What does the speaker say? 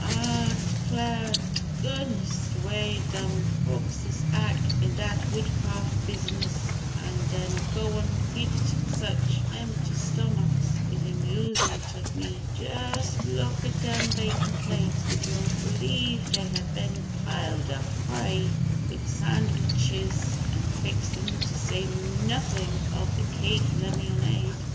"Ah d'clare t' goodness, d' way dem fo'kses ack in dat Woodcraf' bisnis, an' den go an' git such empty stomacks, is amusin' t' me! Jus' look at dem vacant plates would yo' b'lieve dey had ben piled up high wid san'witches an' fixin's t' say nuffin of th' cake an' lemyonade!"